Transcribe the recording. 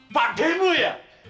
pak demo ya